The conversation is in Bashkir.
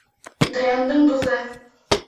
Даяндың дуҫы.